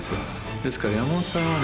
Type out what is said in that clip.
ですから山本さんはね